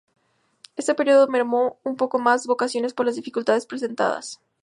Este período mermó un poco las vocaciones por las dificultades presentadas.